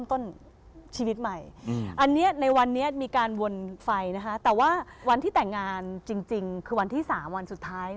คนอินเดียเชื่อว่าไฟคือให้ความอบอุ่นให้แสงสว่าง